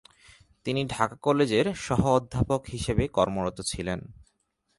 তিনি ঢাকা কলেজের সহঅধ্যাপক হিসেবে কর্মরত ছিলেন।